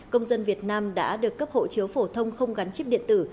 công dân việt nam đã được cấp hộ chiếu phổ thông không gắn chip điện tử